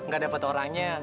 gak dapat orangnya